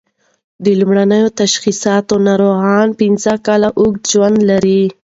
د لومړني تشخیص ناروغان پنځه کاله اوږد ژوند لري.